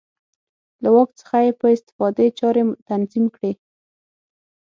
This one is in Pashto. له واک څخه یې په استفادې چارې تنظیم کړې.